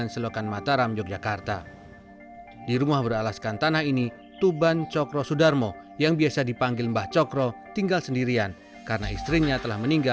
selokan mataram yogyakarta